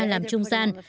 làm trung gian